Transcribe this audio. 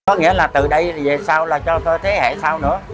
có nghĩa là từ đây về sau là cho thế hệ sau nữa